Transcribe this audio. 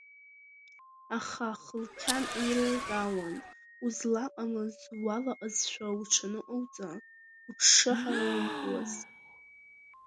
Аха Хылқьан еилылкаауан, узлаҟамыз уалаҟазшәа уҽаныҟауҵа, уҽшыҳараумкуаз.